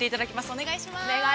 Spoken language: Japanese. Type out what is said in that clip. お願いします。